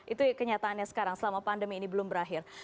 itu kenyataannya sekarang selama pandemi ini belum berakhir